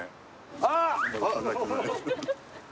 あっ！